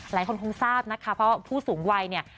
หลายคนคงทราบนะคะเพราะว่าผู้สูงวัยเนี่ย